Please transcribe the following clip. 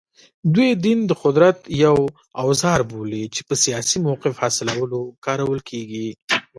دوی دین د قدرت یو اوزار بولي چې په سیاسي موقف حاصلولو کارول کېږي